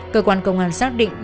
cơ quan công an xác định